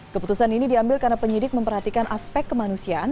keputusan ini diambil karena penyidik memperhatikan aspek kemanusiaan